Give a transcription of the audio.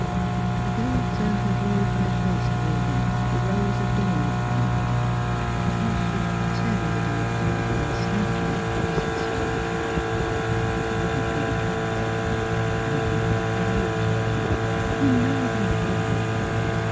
The girl turned her glorified face toward him, the rose of dawn upon it. " K I should pretend that I do not understand you," she said, slowly, " it would not be truth." " Milly! " he cried. '' You know that I love you!